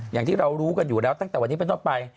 อย่างที่เรารู้กันอยู่แล้วตั้งแต่วันนี้เป็นต้นไป